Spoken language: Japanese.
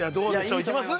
いきます？